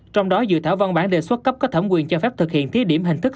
trong đó dự thảo văn bản đề xuất cấp có thẩm quyền cho phép thực hiện thí điểm hình thức